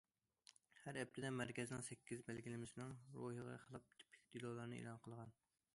ھەر ھەپتىدە مەركەزنىڭ سەككىز بەلگىلىمىسىنىڭ روھىغا خىلاپ تىپىك دېلولارنى ئېلان قىلغان.